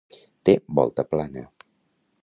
Té volta plana.